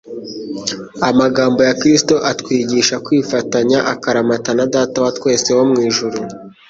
Amagambo ya Kristo atwigisha kwifatanya akaramata na Data wa twese wo mu ijuru.